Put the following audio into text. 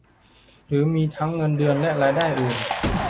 หรือมีทั้งเงินเดือนและรายได้อื่น